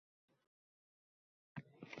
Yaxshisi, sozanda bo’l”, degandi.